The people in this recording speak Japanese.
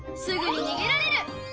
すぐににげられる。